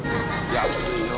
安いよ。